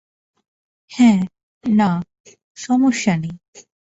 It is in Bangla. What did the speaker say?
হ্যাঁ, না, সমস্যা নেই।